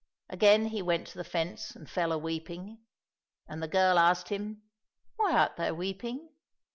Again he went to the fence and fell a weeping. And the girl asked him, " Why art thou weeping